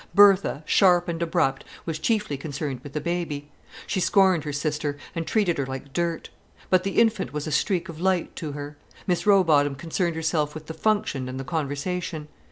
Bertha, sharp and abrupt, was chiefly concerned with the baby. She scorned her sister, and treated her like dirt. But the infant was a streak of light to her. Miss Rowbotham concerned herself with the function and the conversation.